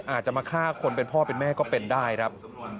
อาจจะมาฆ่าคนเป็นพ่อเป็นแม่ก็เป็นได้ครับ